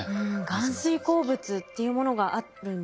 含水鉱物っていうものがあるんですね。